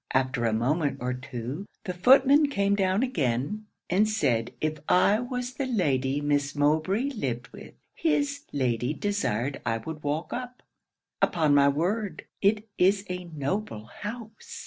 After a moment or two, the footman came down again, and said if I was the Lady Miss Mowbray lived with, his Lady desired I would walk up. Upon my word it is a noble house!